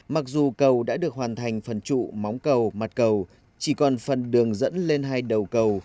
mặc dù cầu đã được hoàn thành phần trụ móng cầu mặt cầu chỉ còn phần đường dẫn lên hai đầu cầu